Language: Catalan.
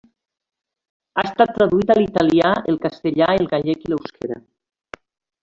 Ha estat traduït a l'italià, el castellà, el gallec i l'euskera.